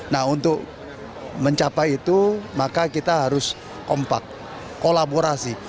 nah untuk mencapai itu maka kita harus kompak kolaborasi